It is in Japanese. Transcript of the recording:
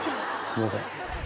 すいません。